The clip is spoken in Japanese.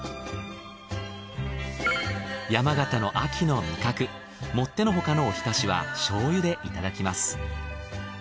山形の秋の味覚もってのほかのおひたしは醤油でいただきます。